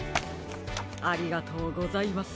ありがとうございます。